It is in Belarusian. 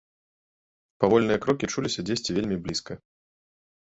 Павольныя крокі чуліся дзесьці вельмі блізка.